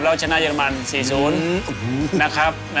แล้วชนะเยอรมัน๔๐นะครับ